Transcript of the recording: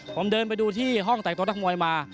ผมเดินไปดูที่ห้องแต่งตัวนักมวยมา